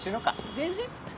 全然。